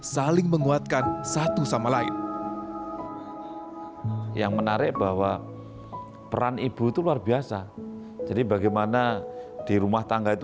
yang menarik bahwa peran ibu itu luar biasa jadi bagaimana di rumah tangga itu